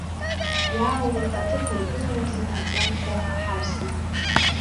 Иааулак аҭыԥ аргыларазы аҵәҩанқәа аҳарсит.